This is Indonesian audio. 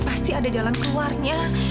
pasti ada jalan keluarnya